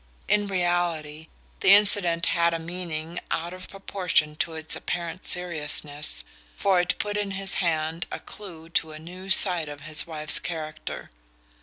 In reality, the incident had a meaning out of proportion to its apparent seriousness, for it put in his hand a clue to a new side of his wife's character.